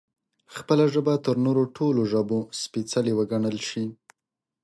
خپله ژبه تر نورو ټولو ژبو سپېڅلې وګڼل شي